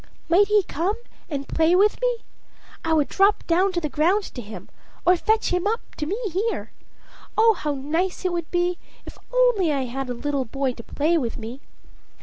"Might he come and play with me? I would drop down to the ground to him, or fetch him up to me here. Oh, how nice it would be if I only had a little boy to play with me."